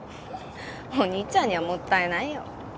お兄ちゃんにはもったいないよ。